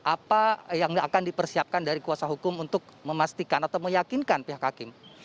apa yang akan dipersiapkan dari kuasa hukum untuk memastikan atau meyakinkan pihak hakim